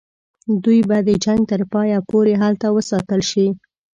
دوی به د جنګ تر پایه پوري هلته وساتل شي.